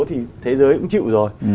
thì thế giới cũng chịu rồi